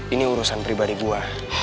ini urusan pribadi gue